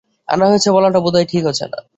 আনা হয়েছে বলাটা বোধহয় ঠিক হচ্ছে না।